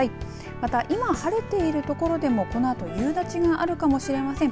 また、今晴れているところでもこのあと夕立があるかもしれません。